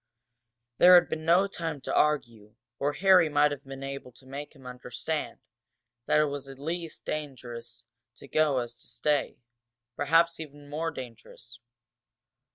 There had been no time to argue, or Harry might have been able to make him understand that it was at least as dangerous to go as to stay perhaps even more dangerous.